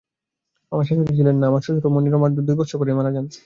আমার শাশুড়ি ছিলেন না–আমার শ্বশুরও মনোরমা জন্মিবার দুই বৎসর পরেই মারা যান।